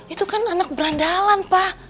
itu kan anak berandalan pak